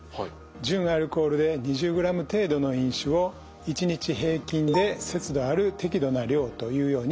純アルコールで２０グラム程度の飲酒を一日平均で節度ある適度な量というように定めています。